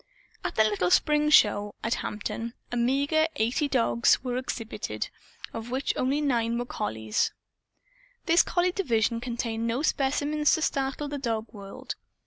At the little spring show, at Hampton, a meager eighty dogs were exhibited, of which only nine were collies. This collie division contained no specimens to startle the dog world.